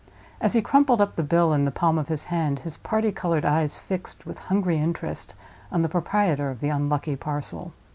As he crumpled up the bill in the palm of his hand, his party colored eyes fixed with hungry interest on the proprietor of the unlucky parcel.